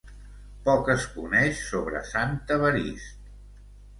Poc es coneix sobre Sant Evarist.